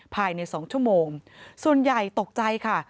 ภายใน๒ชั่วโมงส่วนใหญ่ตกใจค่ะ